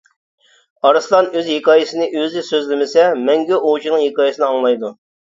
ئارسلان ئۆز ھېكايىسىنى ئۆزى سۆزلىمىسە، مەڭگۈ ئوۋچىنىڭ ھېكايىسىنى ئاڭلايدۇ.